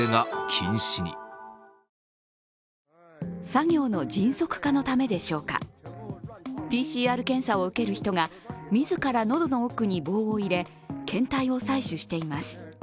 作業の迅速化のためでしょうか、ＰＣＲ検査を受ける人が自ら喉の奥に棒を入れ検体を採取しています。